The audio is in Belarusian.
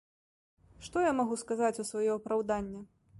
Што я магу сказаць у сваё апраўданне?